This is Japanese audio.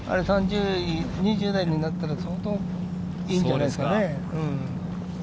２０代になったら相当いいんじゃないですか。